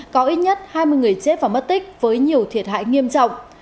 có ít nhất hai mươi người chết và mất tích với nhiều thiệt hại nghiêm trọng